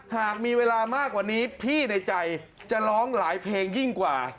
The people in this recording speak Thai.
หากมีเวลามากกว่านี้พี่ในใจจะร้องหลายเพลงยิ่งกว่า